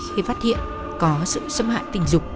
khi phát hiện có sự xâm hại tình dục